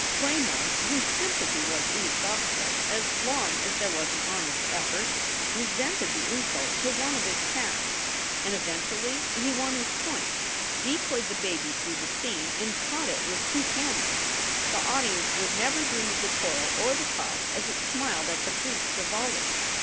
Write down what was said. Claymore, whose sympathy was inexhaustible as long as there was an honest effort, resented the insult to one of his cast. And eventually he won his point, decoyed the baby through the scene, and caught it with two cameras. The audience would never dream of the toil or the cost as it smiled at the brief frivolity.